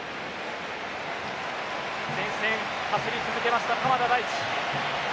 前線、走り続けました鎌田大地。